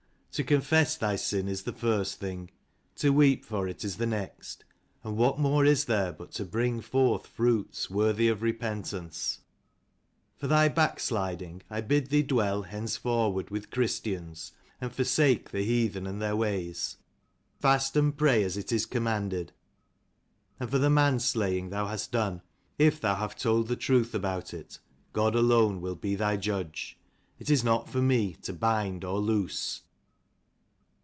To confess thy sin is the first thing; to weep for it is the next ; and what more is there but to bring forth fruits worthy of repentance ? For thy backsliding I bid thee dwell hence forward with Christians, and forsake the heathen and their ways. Fast and pray as it is commanded. And for the man slaying thou hast done, if thou have told the truth about it, God alone will be thy Judge. It is not for me to bind or loose."